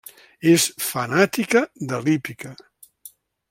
És fanàtica de l'hípica.